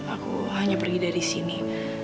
aku hanya pergi dari sini